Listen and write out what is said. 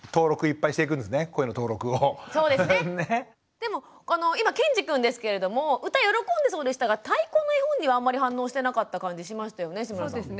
でも今けんじくんですけれども歌喜んでそうでしたが太鼓の絵本にはあんまり反応してなかった感じしましたよね